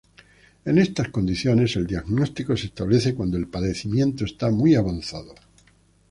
En estas condiciones, el diagnóstico se establece cuando el padecimiento está muy avanzado.